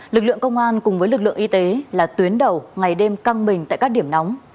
lực lượng công an cùng với lực lượng y tế là tuyến đầu ngày đêm căng mình tại các điểm nóng